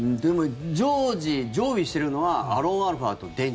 常時、常備してるのはアロンアルファと電池。